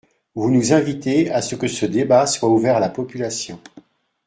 Vous nous invitez à ce que ce débat soit ouvert à la population.